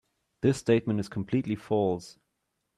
This statement is completely false.